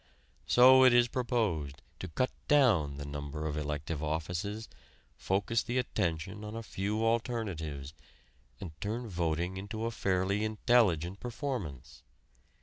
So it is proposed to cut down the number of elective offices, focus the attention on a few alternatives, and turn voting into a fairly intelligent performance.